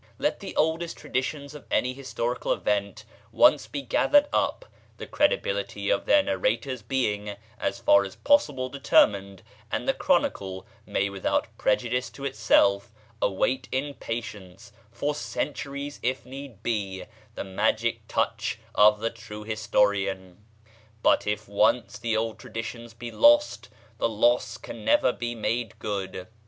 Let the oldest traditions of any historical event once be gathered up, the credibility of their narrators being, as far as possible, determined, and the chronicle may without prejudice to itself await in patience, for centuries if need be, the magic touch of the true historian; but if once the old traditions be lost the loss can never be made good.